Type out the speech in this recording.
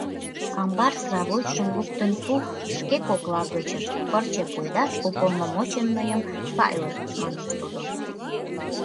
Амбар сравочшым луктын пу: шке кокла гычышт пырче пуэдаш уполномоченныйым сайлышт, — манеш тудо.